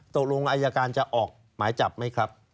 ตกลงอายการจะออกหมายจับไหมครับ